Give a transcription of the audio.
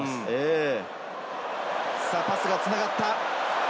パスが繋がった。